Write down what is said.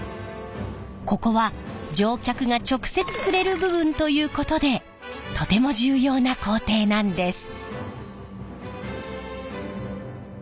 ここは乗客が直接触れる部分ということでとても重要な工程なんです。